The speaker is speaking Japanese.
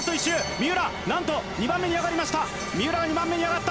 三浦、なんと２番目に上がりました。